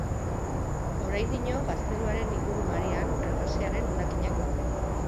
Oraindino gazteluaren ingurumarian harresiaren hondakinak daude.